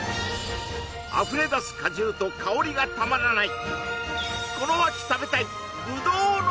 あふれ出す果汁と香りがたまらない！